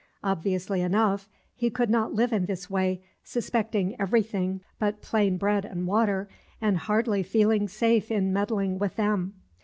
Obviously enough, he could not live in this way, suspecting everything but plain bread and water, and hardly feeling safe in meddling with them.